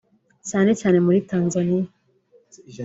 cyane cyane muri Tanzania